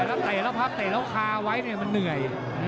แล้วเตะแล้วพับเตะแล้วคาไว้มันเหนื่อย